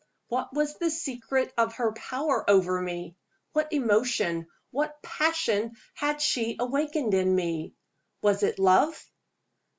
What was the secret of her power over me? What emotion, what passion, had she awakened in me? Was it love?